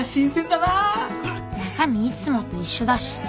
中身いつもと一緒だし。